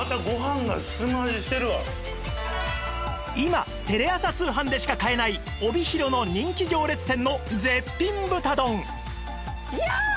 今テレ朝通販でしか買えない帯広の人気行列店の絶品豚丼